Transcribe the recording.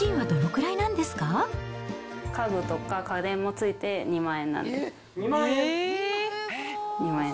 家具とか家電もついて２万円２万円？